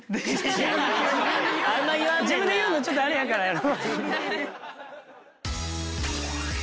自分で言うのちょっとあれやからやろ。